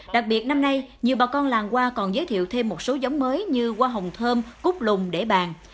đặc biệt năm nay nhiều bà con làng hoa còn giới thiệu thêm một số giống mới như hoa hồng thơm cút lùng để bàn